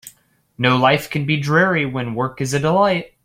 No life can be dreary when work is a delight.